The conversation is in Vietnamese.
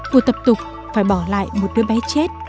hù tập tục phải bỏ lại một đứa bé chết